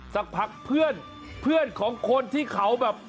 สักพักเพื่อนเพื่อนของคนที่เขาแบบ